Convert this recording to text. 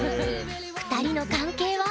２人の関係は？